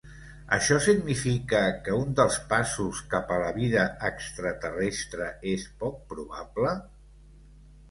Això significa que un dels passos cap a la vida extraterrestre és poc probable?